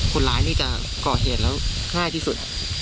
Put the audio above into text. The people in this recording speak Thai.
คนร้ายนี่จะก่อเหตุแล้วง่ายที่สุด